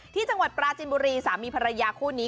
ที่จังหวัดปลาจีนบุรีธรรมีพลัยยาคู่นี้